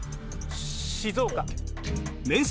静岡。